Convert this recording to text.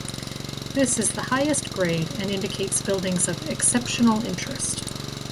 This is the highest grade and indicates buildings of "exceptional interest".